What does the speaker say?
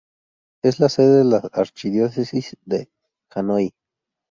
Es la sede de la archidiócesis de Hanói.